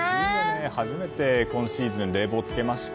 初めて今シーズン冷房をつけました。